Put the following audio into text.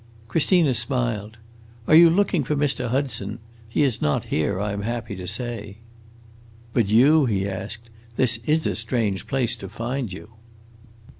Christina smiled. "Are you looking for Mr. Hudson? He is not here, I am happy to say." "But you?" he asked. "This is a strange place to find you."